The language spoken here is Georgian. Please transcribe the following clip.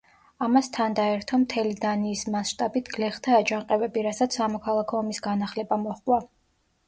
ამას თან დაერთო მთელი დანიის მასშტაბით გლეხთა აჯანყებები, რასაც სამოქალაქო ომის განახლება მოჰყვა.